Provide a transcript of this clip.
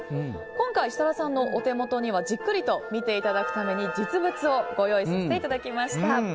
今回、設楽さんのお手元にはじっくりと見ていただくために実物をご用意させていただきました。